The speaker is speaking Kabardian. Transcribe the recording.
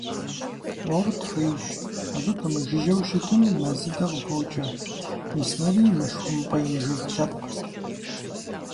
Мор тхуейщ, абы пэмыжыжьэу щытым мэзыдэ къыпокӀэ, мис мыри мышхумпӀей жыг лъэпкъщ.